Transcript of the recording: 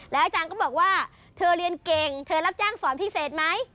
อาจารย์ก็บอกว่าเธอเรียนเก่งเธอรับจ้างสอนพิเศษไหม